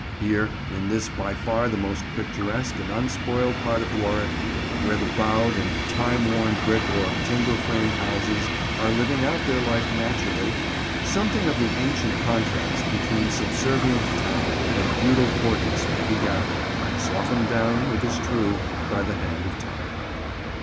Here, in this by far the most picturesque and unspoiled part of Warwick, where the bowed and time worn brick or timber framed houses are living out their life naturally, something of the ancient contrast between subservient town and feudal fortress may be gathered, softened down, it is true, by the hand of time.